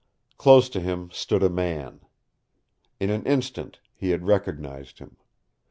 Close to him stood a man. In an instant he had recognized him.